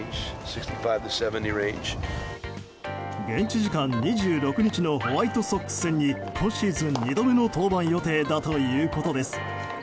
現地時間２６日のホワイトソックス戦に今シーズン２度目の登板予定だということです。